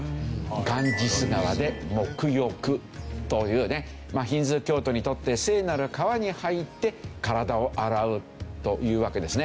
ガンジス川で沐浴というねヒンドゥー教徒にとって聖なる川に入って体を洗うというわけですね。